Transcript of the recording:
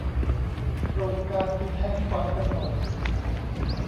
โครงการที่แท้งก่อนกำหนด